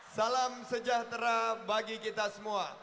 salam sejahtera bagi kita semua